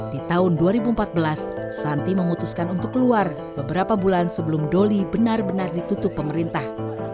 di tahun dua ribu empat belas santi memutuskan untuk keluar beberapa bulan sebelum doli benar benar ditutup pemerintah